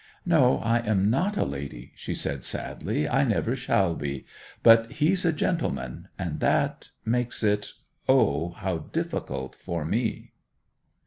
'No, I am not a lady,' she said sadly. 'I never shall be. But he's a gentleman, and that—makes it—O how difficult for me!